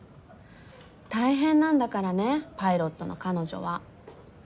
大変なんだからねパイロットの彼女は。